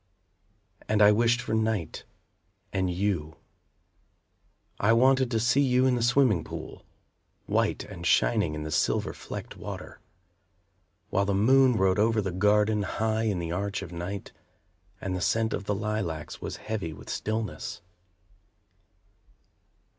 And I wished for night and you. I wanted to see you in the swimming pool, White and shining in the silver flecked water. While the moon rode over the garden, High in the arch of night, And the scent of the lilacs was heavy with stillness.